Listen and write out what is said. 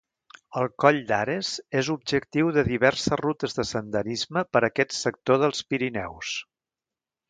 El coll d'Ares és objectiu de diverses rutes de senderisme per aquest sector dels Pirineus.